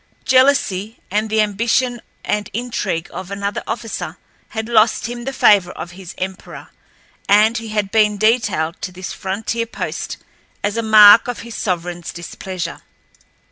Jealousy and the ambition and intrigue of another officer had lost him the favor of his emperor, and he had been detailed to this frontier post as a mark of his sovereignl's displeasure.